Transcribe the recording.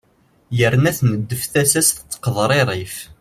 yerna tneddef tasa-s tettqeḍririf